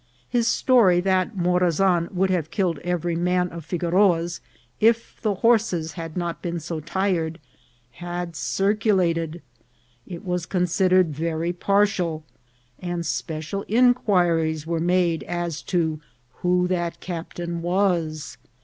His story that Morazan would have killed every man of Figoroa's if the horses had not been so tired, had circu lated ; it was considered very partial, and special inqui ries were made as to who that captain was.